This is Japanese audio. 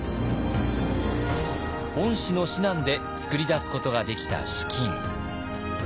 御師の指南で作り出すことができた資金。